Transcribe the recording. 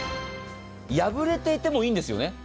破れていてもいいんですよね。